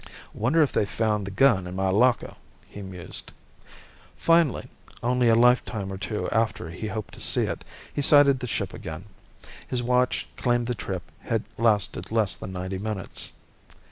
Wonder if they found the gun in my locker? he mused. Finally, only a lifetime or two after he hoped to see it, he sighted the ship again. His watch claimed the trip had lasted less than ninety minutes.